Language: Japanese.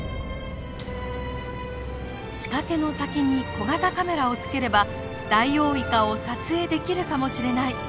仕掛けの先に小型カメラをつければダイオウイカを撮影できるかもしれない。